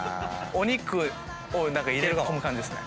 お肉を入れ込む感じですね。